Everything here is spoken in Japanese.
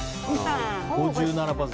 ５７％。